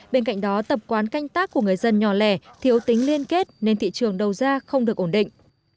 bên cạnh đó tập quán canh tác của người dân nhỏ lẻ thiếu tính liên kết nên thị trường đầu ra không được ổn định